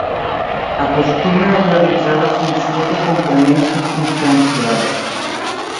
Acostuma a realitzar la funció de complement circumstancial.